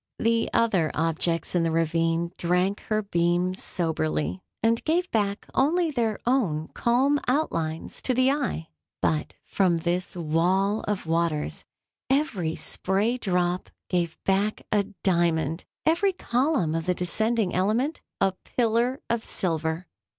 The other objects in the ravine drank her beams soberly, and gave back only their own calm outlines to the eye; but, from this wall of waters, every spray drop gave back a diamond—every column of the descending element, a pillar of silver.